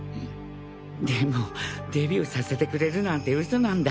でもデビューさせてくれるなんて嘘なんだ。